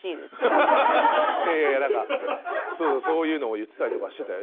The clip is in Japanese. いやいやなんかそういうのを言ってたりとかしてたよ。